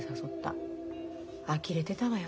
あきれてたわよ